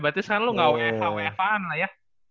berarti sekarang lu nggak wefa wefaan lah ya